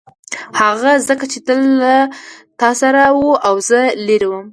هغه ځکه چې تل له تا سره و او زه لیرې وم.